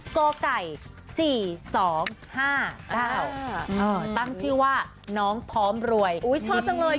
โกไก่สี่สองห้าเก้าเออเออตั้งชื่อว่าน้องพร้อมรวยอุ้ยชอบจังเลย